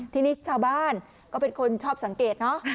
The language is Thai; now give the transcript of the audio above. ทีนี้ชาวบ้านก็เป็นคนชอบสังเกตเนอะ